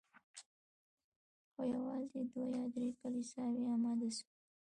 خو یوازي دوه یا درې کلیساوي اماده سوې